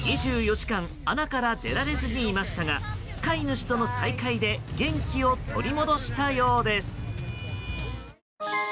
２４時間穴から出られずにいましたが飼い主との再会で元気を取り戻したようです。